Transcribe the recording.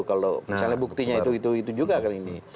kalau misalnya buktinya itu juga kali ini